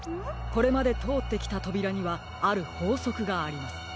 これまでとおってきたとびらにはあるほうそくがあります。